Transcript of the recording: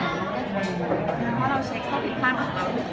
อเรนนี่ว่าเราใช้ข้อผิดสร้างของเรา